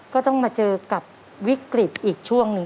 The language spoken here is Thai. ก็ต้องมาเจอกับวิกฤตอีกช่วงหนึ่ง